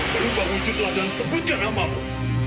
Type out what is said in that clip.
berubah wujudlah dan sebutkan namamu